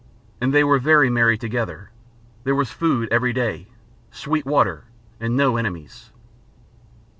And they were very merry together; there was food every day, sweet water, and no enemies.